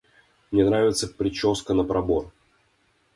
Мне нравится причёска на пробор.